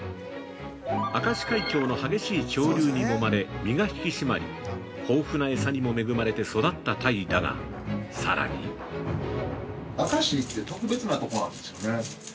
明石海峡の激しい潮流にもまれ身が引き締まり豊富なエサにも恵まれて育った鯛だが、さらに◆明石って特別なところなんですよね。